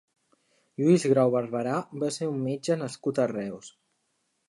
Lluís Grau Barberà va ser un metge nascut a Reus.